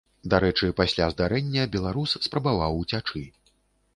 Дарэчы, пасля здарэння беларус спрабаваў уцячы.